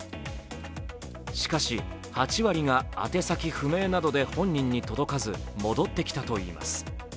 しかし、８割が宛先不明などで本人に届かず、戻ってきたといいます。